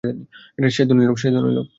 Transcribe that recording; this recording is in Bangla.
সে ধনী লোক!